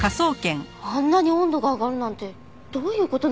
あんなに温度が上がるなんてどういう事なんです？